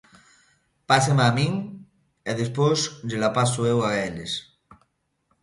Pásema a min e despois llela paso eu a eles.